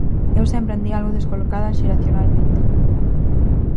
Eu sempre andei algo descolocada xeracionalmente.